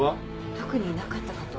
特になかったかと。